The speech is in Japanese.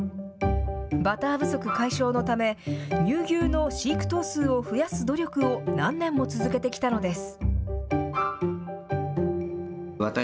バター不足解消のため、乳牛の飼育頭数を増やす努力を何年も続けてきたのです。